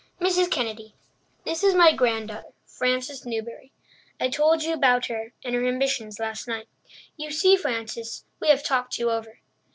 "Mrs. Kennedy, this is my granddaughter, Frances Newbury. I told you about her and her ambitions last night. You see, Frances, we have talked you over."